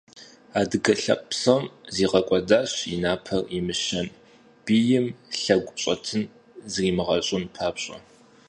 Адыгэ лъэпкъ псом зигъэкӀуэдащ и напэр имыщэн, бийм лъэгущӀэтын зримыгъэщӀын папщӀэ.